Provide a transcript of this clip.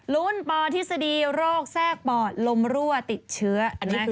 รุ่นปอธิษฎีโรคแทรกปอดลมรั่วติดเชื้อ